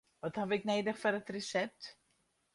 Wat haw ik nedich foar it resept?